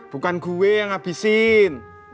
bukan gue yang habisin